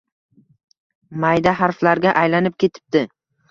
mayda harflarga aylanib ketibdi.